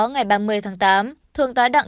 ngày ba mươi tháng tám thường tá đặng